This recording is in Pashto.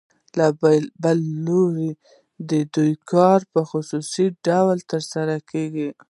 له بل لوري د دوی کار په خصوصي ډول ترسره کېږي